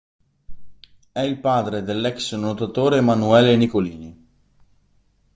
È il padre dell'ex nuotatore Emanuele Nicolini.